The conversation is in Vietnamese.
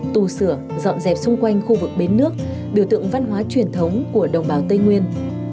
tù sửa dọn dẹp xung quanh khu vực bến nước biểu tượng văn hóa truyền thống của đồng bào tây nguyên